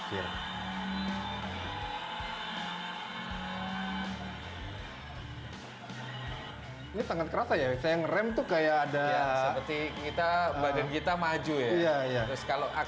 ini tangan keratanya yang rem tuh kayak ada seperti kita badan kita maju ya iya terus kalau